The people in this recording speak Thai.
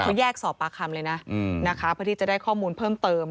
เขาแยกสอบปากคำเลยนะนะคะเพื่อที่จะได้ข้อมูลเพิ่มเติม